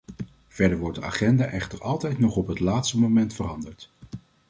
Verder wordt de agenda echter altijd nog op het laatste moment veranderd.